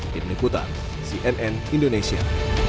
tim nikutan cnn indonesia